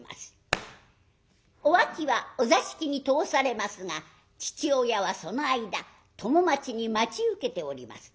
お秋はお座敷に通されますが父親はその間供待ちに待ち受けております。